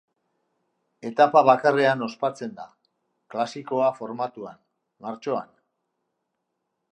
Etapa bakarrean ospatzen da, klasikoa formatuan, martxoan.